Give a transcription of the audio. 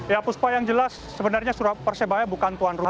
ya puspa yang jelas sebenarnya persebaya bukan tuan rumah